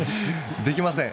できません。